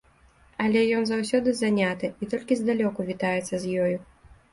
Але ён заўсёды заняты і толькі здалёку вітаецца з ёю.